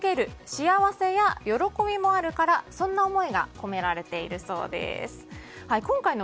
幸せや喜びなどそんな思いが込められているそうです。